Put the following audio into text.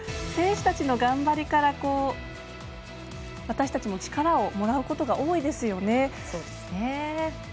選手たちの頑張りから私たちも力をもらうことが多いですよね。